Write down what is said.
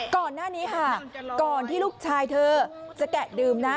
ก่อนหน้านี้ค่ะก่อนที่ลูกชายเธอจะแกะดื่มนะ